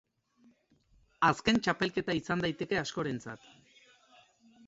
Azken txapelketa izan daiteke askorentzat.